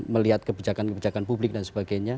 melihat kebijakan kebijakan publik dan sebagainya